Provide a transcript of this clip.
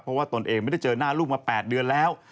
เพราะว่าตนเองไม่ได้เจอหน้าลูกมา๘เดือนแล้ว